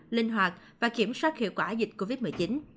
linh hoạt và kiểm soát hiệu quả dịch covid một mươi chín